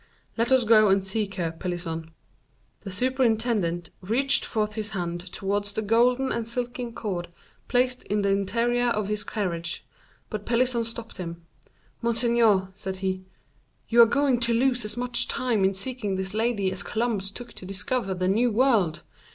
Let us go and seek her, Pelisson." The superintendent reached forth his hand towards the golden and silken cord placed in the interior of his carriage, but Pelisson stopped him. "Monseigneur," said he, "you are going to lose as much time in seeking this lady as Columbus took to discover the new world.